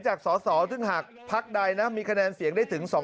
จากสซตึงหักพรรคใดมีคะแนนเสียงได้ถึง๒๕๑เสียง